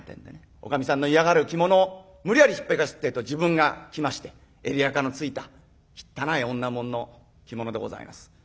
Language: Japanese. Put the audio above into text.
おかみさんの嫌がる着物を無理やり引っ剥がすってえと自分が着まして襟垢のついた汚い女物の着物でございます。